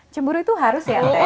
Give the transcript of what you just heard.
cemburu itu harus ya